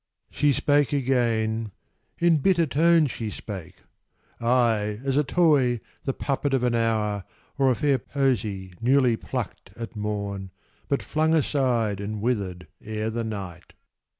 She spake again: in bitter tone she spake: "Aye, as a toy, the puppet of an hour, Or a fair posy, newly plucked at morn, But flung aside and withered ere the night."